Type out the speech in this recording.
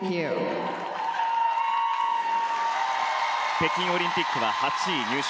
北京オリンピックは８位入賞。